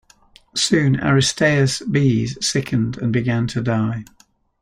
Soon Aristaeus' bees sickened and began to die.